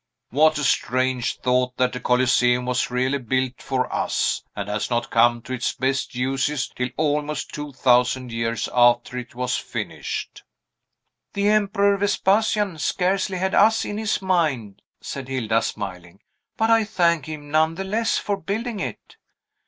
What a strange thought that the Coliseum was really built for us, and has not come to its best uses till almost two thousand years after it was finished!" "The Emperor Vespasian scarcely had us in his mind," said Hilda, smiling; "but I thank him none the less for building it."